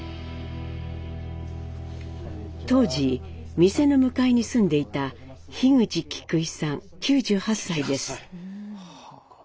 当時店の向かいに住んでいた樋口キクイさん９８歳です。